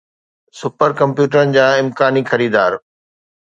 super ڪمپيوٽرن جا امڪاني خريدار